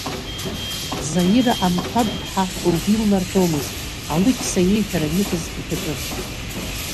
Заира Амқәаб-ԥҳа лгәы илнарҳәомызт, Алықьса ииҳәаран иҟазгьы ҳәатәын.